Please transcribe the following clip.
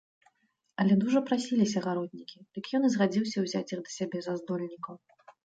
Але дужа прасіліся гаротнікі, дык ён і згадзіўся ўзяць іх да сябе за здольнікаў.